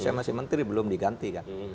saya masih menteri belum diganti kan